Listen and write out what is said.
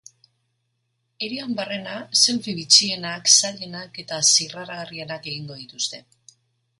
Hirian barrena, selfie bitxienak, zailenak eta zirraragarrienak egingo dituzte.